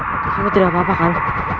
kamu tidak apa apa kan